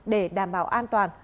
để đảm bảo an toàn